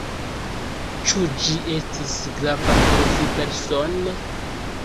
Ĉu ĝi estis grava por vi persone?